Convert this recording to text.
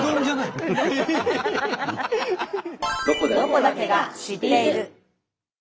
「ロコだけが知っている」。